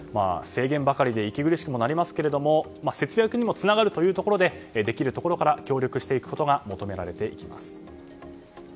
制限ばかりで息苦しくなりますが節約にもつながるということでできるところから協力していくことが求められていきます。